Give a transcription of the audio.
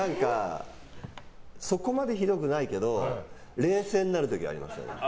そこまでひどくないけど冷静になる時はあります。